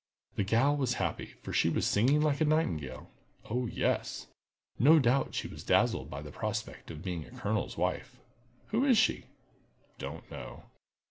"The gal was happy, for she was singing like a nightingale." "Oh yes! No doubt she was dazzled by the prospect of being a colonel's wife." "Who is she?" "Don't know."